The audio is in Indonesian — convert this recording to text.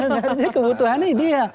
dari kebutuhannya dia